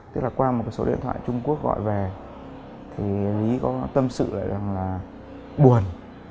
tức là qua một số điện thoại trung quốc gọi về thì lý có tâm sự lại rằng là buồn